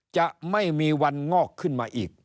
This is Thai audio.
จะไม่มีวันงอกขึ้นมาอีก